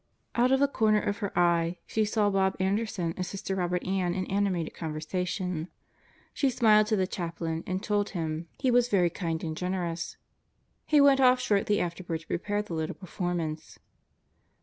Out of the corner of her eye she saw Bob Anderson and Sister Robert Ann in animated con versation. She smiled to the chaplain and told him he was very 72 God Goes to Murderer's Row kind and generous. He went off shortly afterward to prepare the little performance.